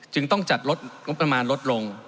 จึงต้องจัดลดงบประมาณลดลง